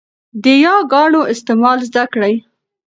د 'ي' ګانو استعمال زده کړئ.